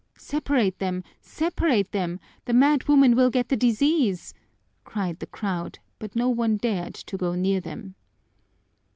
"Separate them! Separate them! The madwoman will get the disease!" cried the crowd, but no one dared to go near them.